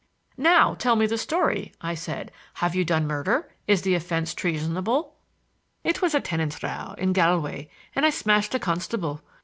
"Now tell me the story," I said. "Have you done murder? Is the offense treasonable?" "It was a tenants' row in Galway, and I smashed a constable.